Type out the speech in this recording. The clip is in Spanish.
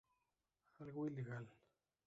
Algo ilegal!